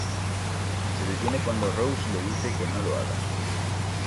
Se detiene cuando Rose le dice que no lo haga.